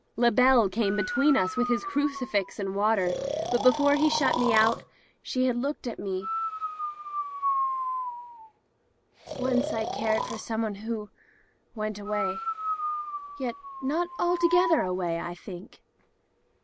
Labelle came between us with his crucifix and wafer, but before he shut me out she had looked at me —" "Once I cared for some one who — ^went away. Yet not altogether away, I think."